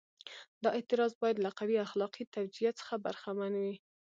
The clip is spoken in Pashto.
دا اعتراض باید له قوي اخلاقي توجیه څخه برخمن وي.